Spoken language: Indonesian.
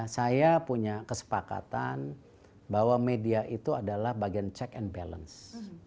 saya punya kesepakatan bahwa media itu adalah bagian check and balance